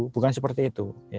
bukan seperti itu